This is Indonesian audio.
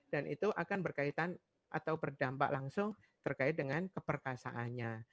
dan itu akan berkaitan atau berdampak langsung terkait dengan keperkasaannya